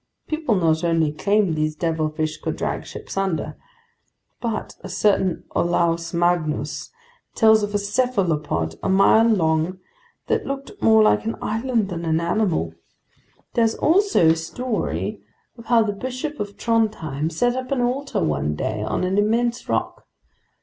People not only claimed these devilfish could drag ships under, but a certain Olaus Magnus tells of a cephalopod a mile long that looked more like an island than an animal. There's also the story of how the Bishop of Trondheim set up an altar one day on an immense rock.